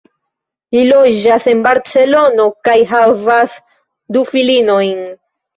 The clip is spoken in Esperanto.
Li loĝas en Barcelono kaj havas du filinojn.